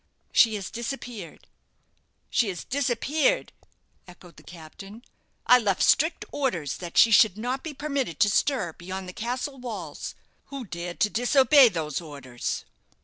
"She has disappeared." "She has disappeared!" echoed the captain. "I left strict orders that she should not be permitted to stir beyond the castle walls. Who dared to disobey those orders?"